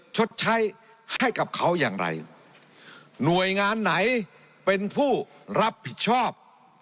ชดใช้ให้กับเขาอย่างไรหน่วยงานไหนเป็นผู้รับผิดชอบ